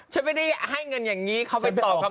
ฉันไม่ได้ให้เงินอย่างนี้เขาไปตอบคำ